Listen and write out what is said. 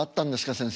先生。